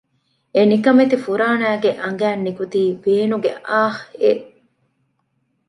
އެނިކަމެތި ފުރާނައިގެ އަނގައިން ނިކުތީ ވޭނުގެ އާހް އެއް